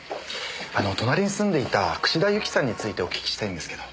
あの隣に住んでいた串田ユキさんについてお聞きしたいんですけど。